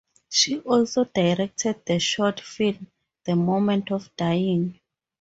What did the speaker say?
She also directed the short film "The Moment of Dying".